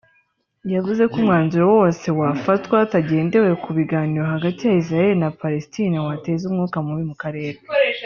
yavuze ko umwanzuro wose wafatwa hatagendewe ku biganiro hagati ya Israel na Palestine wateza umwuka mubi mu karere